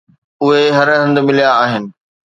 اهي هر هنڌ مليا آهن